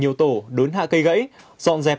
nhiều tổ đốn hạ cây gãy dọn dẹp